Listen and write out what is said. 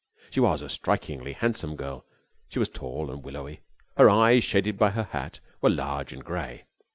She was a strikingly handsome girl. She was tall and willowy. Her eyes, shaded by her hat, were large and grey.